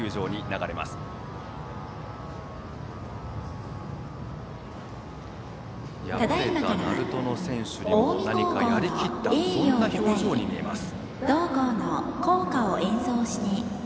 鳴門の選手にも何かやりきったそんな表情に見えます。